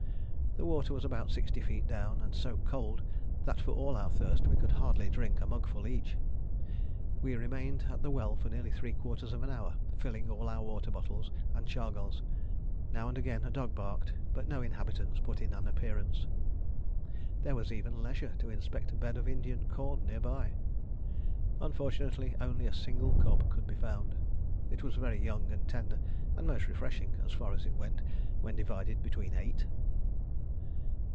The water was about sixty feet down, and so cold that for all our thirst we could hardly drink a mugful each. We remained at the well for nearly three quarters of an hour, filling all our water bottles and chargals. Now and again a dog barked, but no inhabitants put in an appearance. There was even leisure to inspect a bed of Indian corn near by. Unfortunately only a single cob could be found. It was very young and tender, and most refreshing, as far as it went when divided between eight.